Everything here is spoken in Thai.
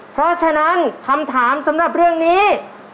เพราะฉะนั้นคำถามสำหรับเรื่องนี้